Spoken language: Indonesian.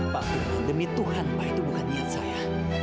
apapun demi tuhan pak itu bukan niat saya